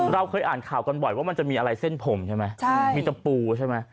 เราเคยอ่านข่าวกันบ่อยว่ามันจะมีอะไรเส้นผมใช่ไหมมีตะปูใช่ไหม